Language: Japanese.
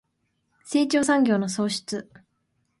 成長産業の創出